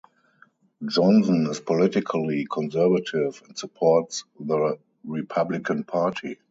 Johnson is politically conservative and supports the Republican Party.